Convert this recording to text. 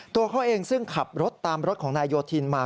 ตัวเขาเองซึ่งขับรถตามรถของนายโยธินมา